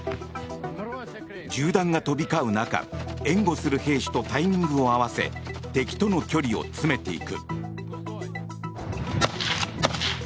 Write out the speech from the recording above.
銃弾が飛び交う中援護する兵士とタイミングを合わせ敵との距離を詰めていく。